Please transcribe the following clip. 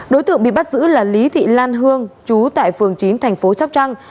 đối tượng bị bắt giữ là lý thị lan hương chú tại phường chín thành phố sóc trăng